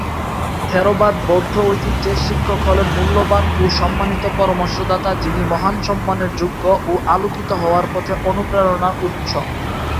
থেরবাদ বৌদ্ধ ঐতিহ্যে, শিক্ষক হলেন মূল্যবান ও সম্মানিত পরামর্শদাতা যিনি মহান সম্মানের যোগ্য ও আলোকিত হওয়ার পথে অনুপ্রেরণার উৎস।